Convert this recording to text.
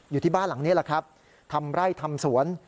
อยู่ที่บ้านหลังนี้ทำไร่ทำสวน